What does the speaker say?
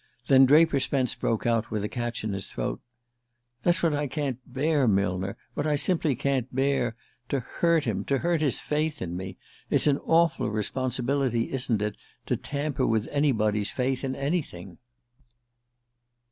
Then Draper Spence broke out, with a catch in his throat: "That's what I can't bear, Millner, what I simply can't bear: to hurt him, to hurt his faith in me! It's an awful responsibility, isn't it, to tamper with anybody's faith in anything?"